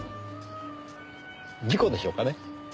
事故でしょうかね。